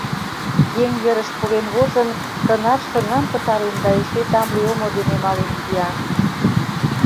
Еҥ верыш пурен возын, тынар шыҥам пытарен да эше тамле омо дене мален кия!